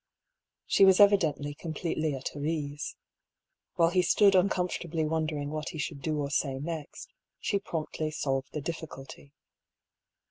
She was evidently completely at her ease. "While he stood uncomfortably wondering what he should do or say next, she promptly solved the difficulty.